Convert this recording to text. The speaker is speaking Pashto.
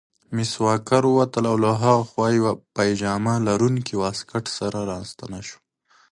مس واکر ووتله او له هاخوا له یوه پاجامه لرونکي واسکټ سره راستنه شوه.